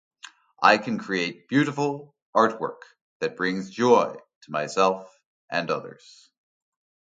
I can create beautiful artwork that brings joy to myself and others.